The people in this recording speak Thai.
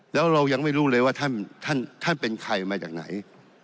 แล้วเรายังไม่รู้เลยว่าท่านเป็นใครมาจากไหน